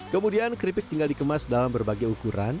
kemudian keripik tinggal dikemas dalam berbagai ukuran